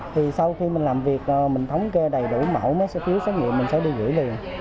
thì sau khi mình làm việc mình thống kê đầy đủ mẫu nó sẽ thiếu xét nghiệm mình sẽ đi gửi liền